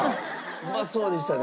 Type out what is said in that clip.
うまそうでしたね。